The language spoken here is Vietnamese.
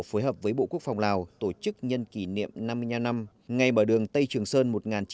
phối hợp với bộ quốc phòng lào tổ chức nhân kỷ niệm năm mươi năm năm ngay mở đường tây trường sơn